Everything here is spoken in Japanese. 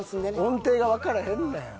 音程がわからへんねん。